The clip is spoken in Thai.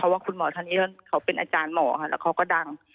วันนี้เขาเป็นอาจารย์หมอแล้วเขาก็ดัง